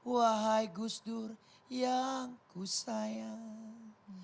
wahai gus dur yang ku sayang